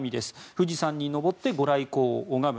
富士山に登ってご来光を拝む